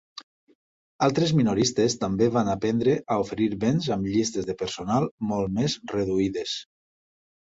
Altres minoristes també van aprendre a oferir béns amb llistes de personal molt més reduïdes.